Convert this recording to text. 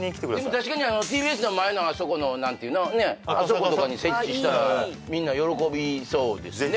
確かにＴＢＳの前のあそこの何ていうのあそことかに設置したらみんな喜びそうですよね